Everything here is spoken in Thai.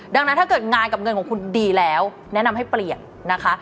ดังนั้นถ้าเกิดงานกับเงินของคุณดีแล้วแนะนำให้เปลี่ยนนะคะ